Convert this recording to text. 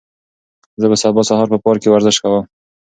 زه به سبا سهار په پارک کې ورزش کوم.